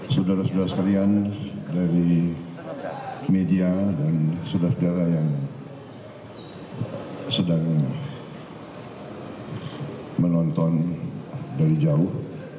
saudara saudara sekalian dari media dan saudara saudara yang sedang menonton dari jauh